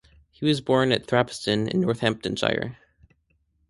He was born at Thrapston in Northamptonshire.